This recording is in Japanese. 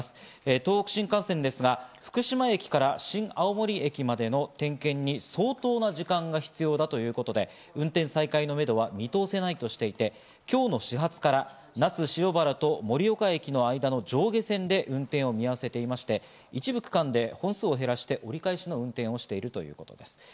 東北新幹線ですが福島駅から新青森駅までの点検に相当な時間が必要だということで、運転再開のめどは見通せないとしていて、今日の始発から那須塩原と盛岡駅の間の上下線で運転を見合わせていまして一部区間で本数を減らして折り返しの運転をしているということです。